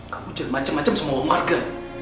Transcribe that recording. kamu jen macem macem semua warga